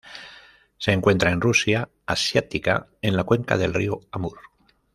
Se encuentra en Rusia asiática en la cuenca del Río Amur.